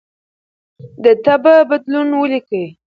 د تبه بدلون ولیکئ.